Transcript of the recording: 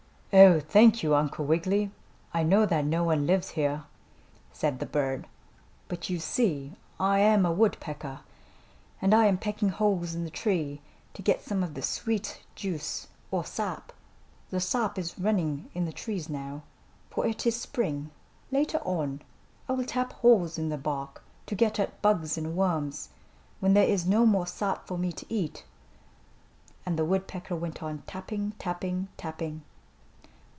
"Oh, thank you, Uncle Wiggily. I know that no one lives here," said the bird. "But you see I am a woodpecker, and I am pecking holes in the tree to get some of the sweet juice, or sap. The sap is running in the trees now, for it is Spring. Later on I will tap holes in the bark to get at bugs and worms, when there is no more sap for me to eat." And the woodpecker went on tapping, tapping, tapping.